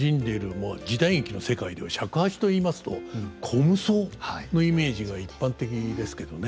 まあ時代劇の世界では尺八といいますと虚無僧のイメージが一般的ですけどね。